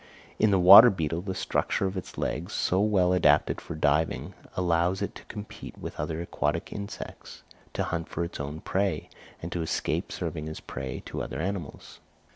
In the water beetle, the structure of its legs, so well adapted for diving, allows it to compete with other aquatic insects, to hunt for its own prey, and to escape serving as prey to other animals.